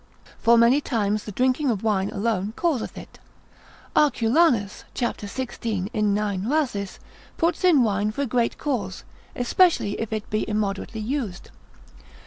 For many times the drinking of wine alone causeth it. Arculanus, c. 16. in 9. Rhasis, puts in wine for a great cause, especially if it be immoderately used.